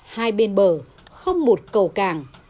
hai bên bờ không một cầu càng